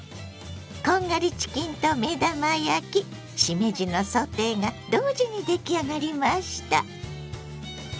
こんがりチキンと目玉焼きしめじのソテーが同時に出来上がりました。